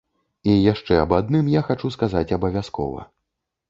І яшчэ аб адным я хачу сказаць абавязкова.